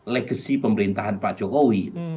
legacy pemerintahan pak jokowi